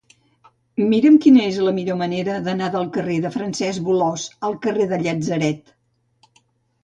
Mira'm quina és la millor manera d'anar del carrer de Francesc Bolòs al carrer del Llatzeret.